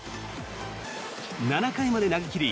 ７回まで投げ切り